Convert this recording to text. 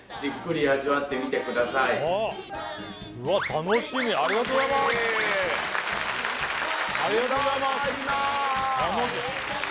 楽しみありがとうございますありがとうございます